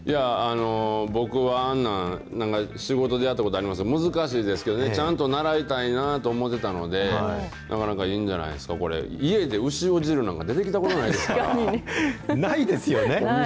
僕はあんなん、なんか仕事でやったことありますけど、難しいですけどね、ちゃんと習いたいなと思ってたんで、なかなかいいんじゃないですか、これ、家でうしお汁なんて出てきたことないですないですよね。